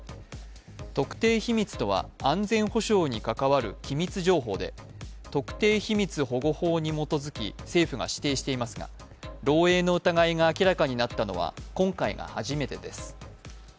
特定秘密とは安全保障に関わる秘密情報で特定秘密保護法に基づき政府が指定していますが漏えいの疑いが明らかになったのは今回が初めてです。